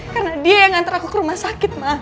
karena dia yang antar aku ke rumah sakit ma